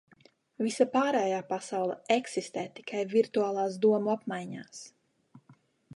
Visa pārējā pasaule eksistē tikai virtuālās domu apmaiņās.